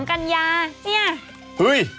๒๓กันยาเนี่ย